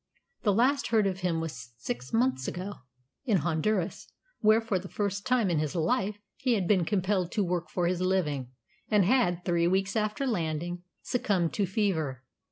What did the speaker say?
The last heard of him was six months ago, in Honduras, where for the first time in his life he had been compelled to work for his living, and had, three weeks after landing, succumbed to fever.